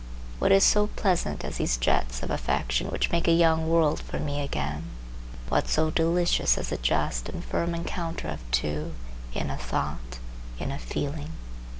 What is so pleasant as these jets of affection which make a young world for me again? What so delicious as a just and firm encounter of two, in a thought, in a feeling?